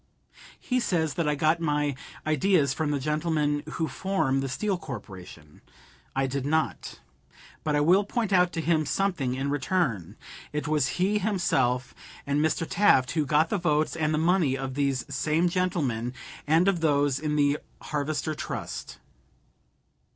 He says that I got my "ideas from the gentlemen who form the Steel Corporation." I did not. But I will point out to him something in return. It was he himself, and Mr. Taft, who got the votes and the money of these same gentlemen, and of those in the Harvester Trust.